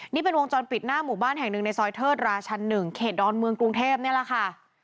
นี่เป็นวงจรปิดหน้าหมู่บ้านแห่งหนึ่งในซอยเทิดราชัน๑เขตดอนเมืองกรุงเทพนี่แหละค่ะ